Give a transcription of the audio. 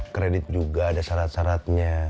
kredit juga ada syarat syaratnya